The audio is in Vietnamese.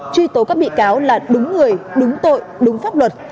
truy tố các bị cáo là đúng người đúng tội đúng pháp luật